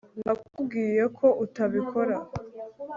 nakubwiye ko utabikora